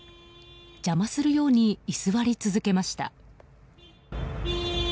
邪魔するように居座り続けました。